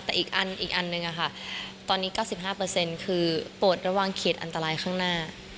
แต่อีกอันอีกอันหนึ่งค่ะตอนนี้๙๕คือโปรดระหว่างเคลียดอันตรายข้างหน้า